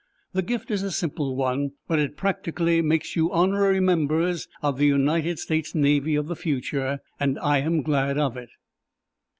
The gift is a simple one, but it practically makes you honorary members of the United States Navy of the future, and I am glad of it."